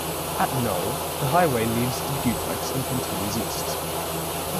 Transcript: At Noel, the highway leaves the duplex and continues east.